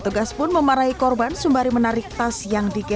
petugas pun memarahi korban sembari menarik tas yang dikejar